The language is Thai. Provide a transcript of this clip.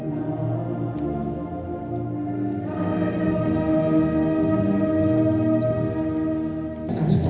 สวัสดีครับสวัสดีครับ